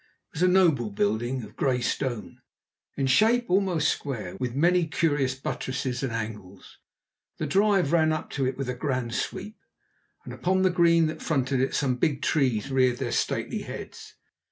It was a noble building, of grey stone, in shape almost square, with many curious buttresses and angles. The drive ran up to it with a grand sweep, and upon the green that fronted it some big trees reared their stately heads.